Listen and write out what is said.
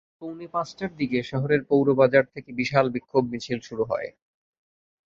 বিকেল পৌনে পাঁচটার দিকে শহরের পৌর বাজার থেকে বিশাল বিক্ষোভ মিছিল শুরু হয়।